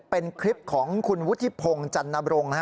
เป็นคลิปของคุณวุฒิพงศ์จันนบรงค์